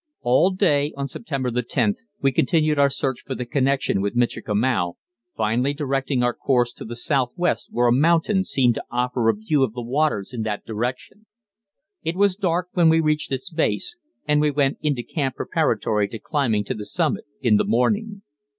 All day on September 10th we continued our search for the connection with Michikamau, finally directing our course to the southwest where a mountain seemed to offer a view of the waters in that direction. It was dark when we reached its base, and we went into camp preparatory to climbing to the summit in the morning.